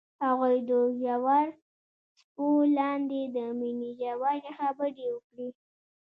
هغوی د ژور څپو لاندې د مینې ژورې خبرې وکړې.